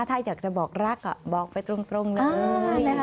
ถ้าอยากจะบอกรักบอกไปตรงเลย